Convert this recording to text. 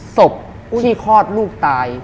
ศพผู้ที่คลอดลูกตาย